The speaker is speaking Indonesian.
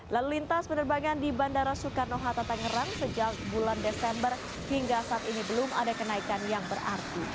lalu lintas penerbangan di bandara soekarno hatta tangerang sejak bulan desember hingga saat ini belum ada kenaikan yang berarti